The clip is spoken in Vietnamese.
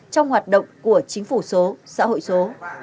trong hoạt động của chính phủ số xã hội số